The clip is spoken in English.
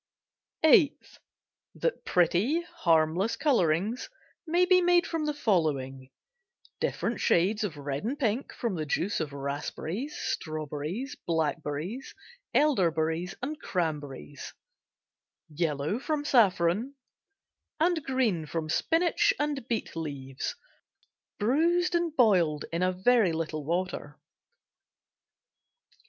EIGHTH. That pretty, harmless colorings may be made from the following: different shades of red and pink from the juice of raspberries, strawberries, blackberries, elderberries and cranberries; yellow from saffron; and green from spinach and beet leaves bruised and boiled in a very little water.